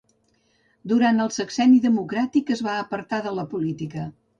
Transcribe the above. Durant el sexenni democràtic es va apartar de la política.